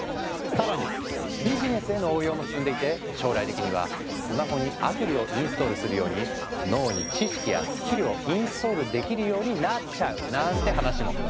更にビジネスへの応用も進んでいて将来的にはスマホにアプリをインストールするように脳に知識やスキルをインストールできるようになっちゃうなんて話も。